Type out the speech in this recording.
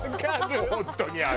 本当にあれ。